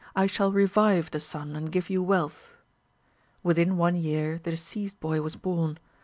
I shall revive the son, and give you wealth.' Within one year, the deceased boy was born.